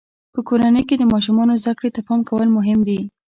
په کورنۍ کې د ماشومانو زده کړې ته پام کول مهم دي.